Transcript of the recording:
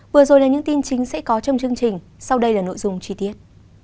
vừa rồi là những tin chính sẽ có trong chương trình sau đây là nội dung chi tiết